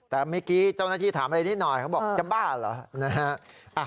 แต่เมื่อกี้เจ้าหน้าที่ถามอะไรนิดหน่อยเขาบอกจะบ้าเหรอนะฮะ